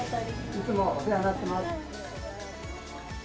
いつもお世話になっています。